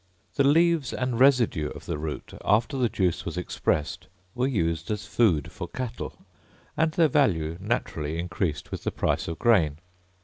The leaves and residue of the root, after the juice was expressed, were used as food for cattle, and their value naturally increased with the price of grain.